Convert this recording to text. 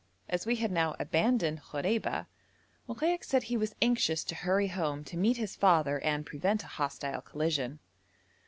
As we had now abandoned Khoreba, Mokaik said he was anxious to hurry off to meet his father and prevent a hostile collision.